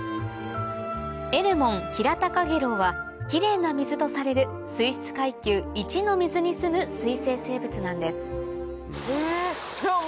エルモンヒラタカゲロウはキレイな水とされる水質階級の水にすむ水生生物なんですじゃあ